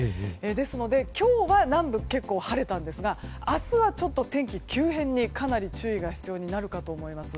ですので、今日は南部結構晴れたんですが明日はちょっと天気の急変にかなり注意が必要になるかと思います。